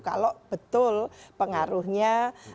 kalau betul pengaruhnya